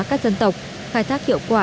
các dân tộc khai thác hiệu quả